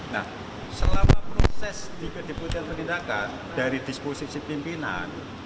nah selama proses di kedeputian penindakan dari disposisi pimpinan